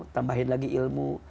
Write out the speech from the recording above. tambahin lagi ilmu